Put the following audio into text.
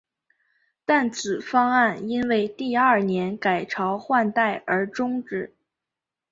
但此方案因为第二年改朝换代而中止。